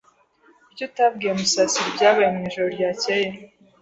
Kuki utabwiye Musasira ibyabaye mwijoro ryakeye?